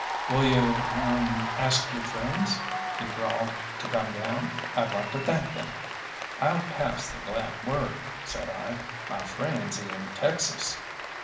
"Will you er ask your friends," he drawled, "to come down? I'd like to thank them." "I'll pass the glad word," said I. "My friends is in Texas."